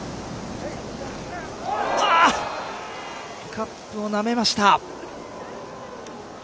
カップをなめました。